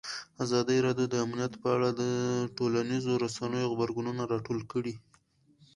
ازادي راډیو د امنیت په اړه د ټولنیزو رسنیو غبرګونونه راټول کړي.